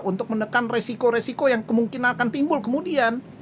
untuk menekan resiko resiko yang kemungkinan akan timbul kemudian